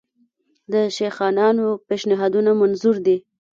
د شیخانانو پېشنهادونه منظور دي.